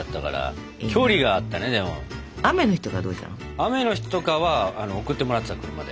雨の日とかは送ってもらってた車で。